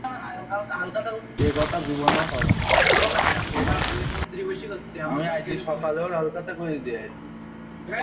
জ্যোতিঃপদার্থবিজ্ঞানে প্রাথমিক পর্যায়ের চাকরি পেতে হলে জ্যোতির্বিদ্যা, জ্যোতিঃপদার্থবিজ্ঞান অথবা পদার্থবিজ্ঞানে স্নাতক ডিগ্রি প্রয়োজন।